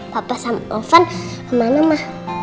papa sama elvan kemana ma